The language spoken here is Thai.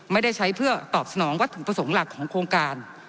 ไม่ได้ใช้เพื่อตอบสนองวัตถุประสงค์หลักของโครงการ